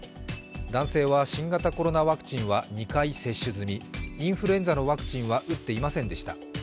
男性は新型コロナワクチンの２回接種済み、インフルエンザのワクチンは打っていませんでした。